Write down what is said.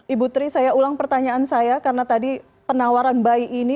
ibu tri saya ulang pertanyaan saya karena tadi penawaran bayi ini